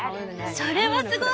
それはすごい！